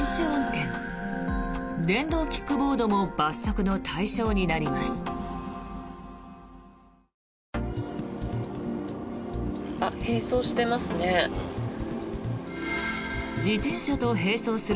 電動キックボードも罰則の対象になります。